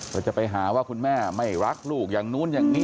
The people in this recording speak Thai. ก็จะไปหาว่าคุณแม่ไม่รักลูกอย่างนู้นอย่างนี้